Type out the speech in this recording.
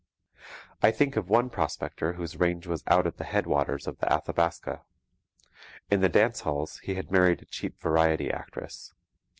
I think of one prospector whose range was at the headwaters of the Athabaska. In the dance halls he had married a cheap variety actress.